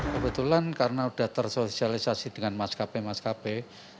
kebetulan karena sudah tersosialisasi dengan maskapai maskapai